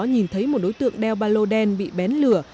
nhìn thấy một đối tượng đeo ba lô đen bị bén lửa